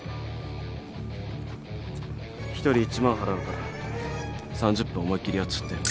一人１万払うから３０分思いっ切りやっちゃって。